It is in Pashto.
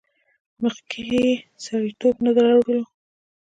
مخکې یې سړیتیوب نه لرلو.